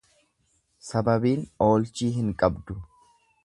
Sababiin oolchii hin qabdu.